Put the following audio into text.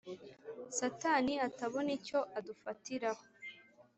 Satani atabona icyo adufatiraho